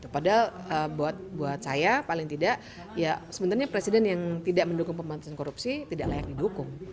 padahal buat saya paling tidak ya sebenarnya presiden yang tidak mendukung pemantasan korupsi tidak layak didukung